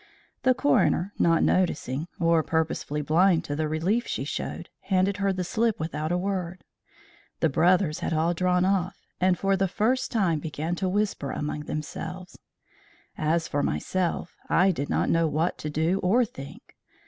The coroner, not noticing, or purposely blind to the relief she showed, handed her the slip without a word. The brothers had all drawn off, and for the first time began to whisper among themselves. As for myself, I did not know what to do or think.